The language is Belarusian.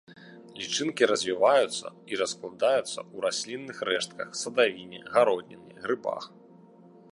Лічынкі развіваюцца ў раскладаюцца раслінных рэштках, садавіне, гародніне, грыбах.